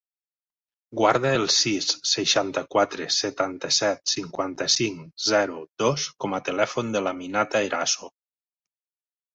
Guarda el sis, seixanta-quatre, setanta-set, cinquanta-cinc, zero, dos com a telèfon de l'Aminata Eraso.